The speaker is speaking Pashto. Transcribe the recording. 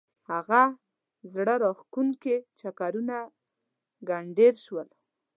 هغه زړه راکښونکي چکرونه ګنډېر شول.